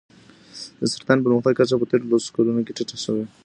د سرطان پرمختګ کچه په تېرو لسو کلونو کې ټیټه شوې.